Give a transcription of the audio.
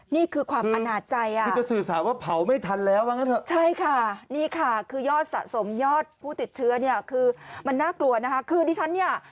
นี่คือความอาณาจัยคือสื่อสารว่าเผาไม่ทันแล้วใช่ค่ะนี่ค่ะคือยอดสะสมยอดผู้ติดเชื้อเนี่ยคือมันน่ากลัวนะคะคือที่ฉันเนี่ย